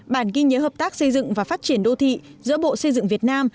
bản ghi nhớ hợp tác xây dựng và phát triển đô thị giữa bộ xây dựng việt nam